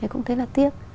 cũng thấy là tiếc